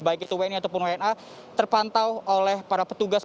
baik itu wni ataupun wna terpantau oleh para petugas